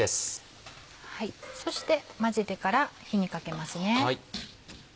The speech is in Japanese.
そして混ぜてから火にかけますね。